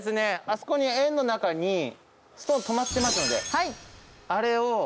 あそこに円の中にストーン止まってますのであれをぶつける。